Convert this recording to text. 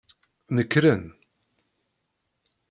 Nekren.